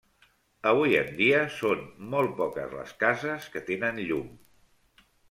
Avui en dia són molt poques les cases que tenen llum.